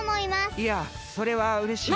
いやそれはうれしいなあ。